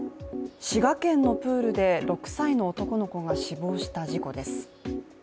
滋賀県のプールで６歳の男の子が死亡した事故です。